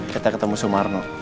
kita ketemu sumarno